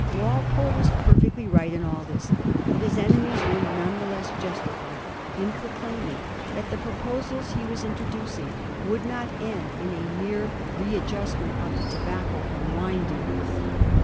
Walpole was per fecdy right in all this, but his enemies were none the less justified in proclaiming that the proposals he was introducing could not end in a mere readjustment of the tobacco and wine duties.